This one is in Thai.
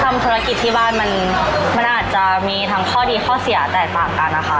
ทำธุรกิจที่บ้านมันอาจจะมีทั้งข้อดีข้อเสียแตกต่างกันนะคะ